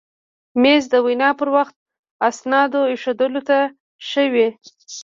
مېز د وینا پر وخت اسنادو ایښودلو ته ښه وي.